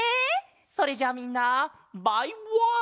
それじゃあみんなバイワン！